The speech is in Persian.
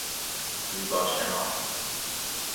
زیباشناس